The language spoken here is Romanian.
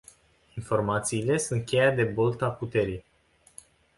Informațiile sunt cheia de boltă a puterii.